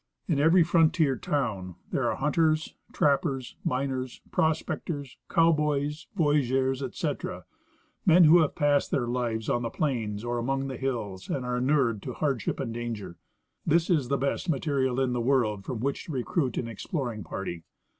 In every frontier town there are hunters, trappers, miners, pros pectors, cow boys, voyageurs, etc. — men who have passed their lives on the plains or among •' the hills " and are enured to hard ship and danger. This is the best material in the world from which to recruit an exploring party.